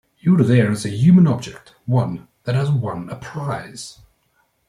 You're there as a human object, one that has won a prize.